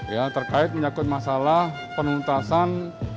ya terkait menyakut masalah penuntasan